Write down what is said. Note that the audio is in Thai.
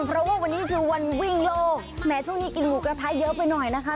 เพราะว่าวันนี้คือวันวิ่งโลกแหมช่วงนี้กินหมูกระทะเยอะไปหน่อยนะคะ